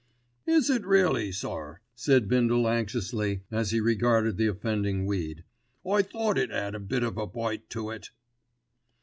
"Is it really, sir," said Bindle anxiously as he regarded the offending weed. "I thought it 'ad a bit of a bite to it."